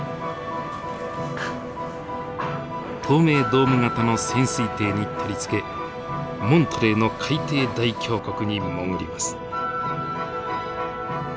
透明ドーム型の潜水艇に取り付けモントレーの海底大峡谷に潜ります。